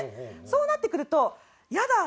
そうなってくるとイヤだ！